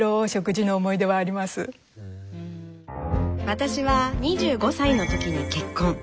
私は２５歳の時に結婚。